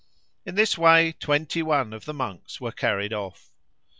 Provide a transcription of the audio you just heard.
In this way twenty one of the monks were carried off.